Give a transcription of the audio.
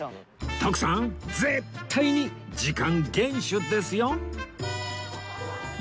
徳さん絶対に時間厳守ですよ